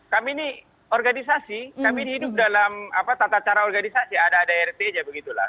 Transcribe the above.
kami ini organisasi kami ini hidup dalam tata cara organisasi ada adrt aja begitulah